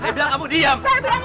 saya bilang kamu diam